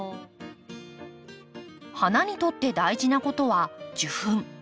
花にとって大事なことは受粉。